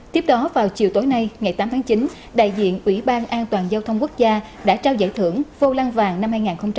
tiếp đó vào chiều tối nay ngày tám tháng chín đại diện ủy ban an toàn giao thông quốc gia đã trao giải thưởng vô lan vàng năm hai nghìn một mươi sáu